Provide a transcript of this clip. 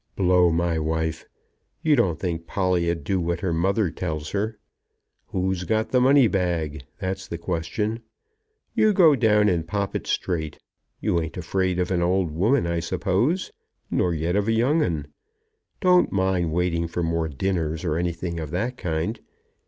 "Blow my wife. You don't think Polly 'd do what her mother tells her? Who's got the money bag? That's the question. You go down and pop it straight. You ain't afraid of an old woman, I suppose; nor yet of a young un. Don't mind waiting for more dinners, or anything of that kind.